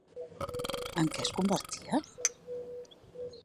En què es convertia?